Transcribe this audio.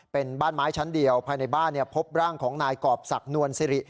เป็นบ้านไม้ชั้นเดียวภายในบ้านพบร่างของนายกรอบศักดินวลสิริ